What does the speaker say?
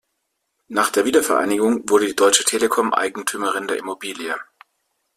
Nach der Wiedervereinigung wurde die Deutsche Telekom Eigentümerin der Immobilie.